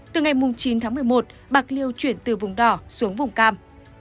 từ ngày chín tháng một mươi một bạc liêu chuyển từ vùng đỏ xuống vùng cam